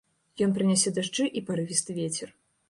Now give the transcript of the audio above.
Ён прынясе дажджы і парывісты вецер.